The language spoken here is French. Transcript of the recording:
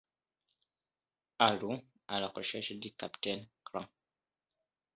Allons à la recherche du capitaine Grant!